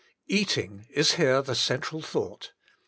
Eating is here the central thought.